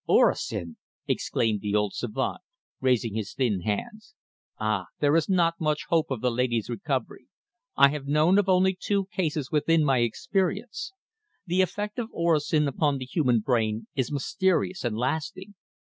"Orosin!" exclaimed the old savant, raising his thin hands. "Ah! There is not much hope of the lady's recovery. I have known of only two cases within my experience. The effect of orosin upon the human brain is mysterious and lasting.